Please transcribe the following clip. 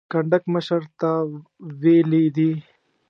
کنډک مشر ته ویلي دي.